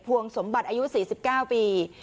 วงสมบัติอายุ๔๙ปี